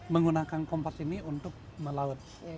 menggunakan kompas ini untuk melaut